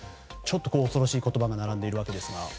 ちょっと恐ろしい言葉が並んでいるわけですが。